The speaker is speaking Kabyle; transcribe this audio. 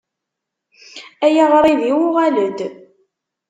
Ay aɣṛib-iw, uɣal-d.